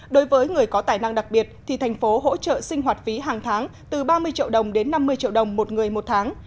đối với người có tài năng đặc biệt thì thành phố hỗ trợ sinh hoạt phí hàng tháng từ ba mươi triệu đồng đến năm mươi triệu đồng một người một tháng